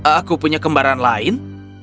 aku punya kembaran lain